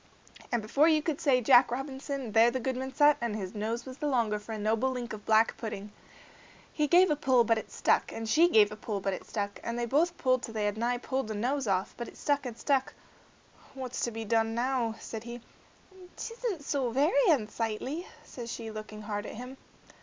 And before you could say Jack Robinson, there the goodman sat and his nose was the longer for a noble link of black pudding. He gave a pull but it stuck, and she gave a pull but it stuck, and they both pulled till they had nigh pulled the nose off, but it stuck and stuck. "What's to be done now?" said he. "'T isn't so very unsightly," said she, looking hard at him.